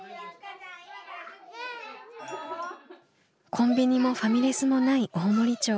コンビニもファミレスもない大森町。